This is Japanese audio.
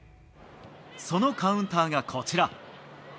そのカウンターがこちら。